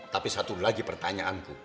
tapi satu lagi pertanyaanku